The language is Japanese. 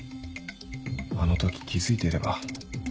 あの時気付いていれば。